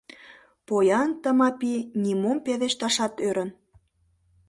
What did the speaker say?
Поян Тымапи нимом пелешташат ӧрын.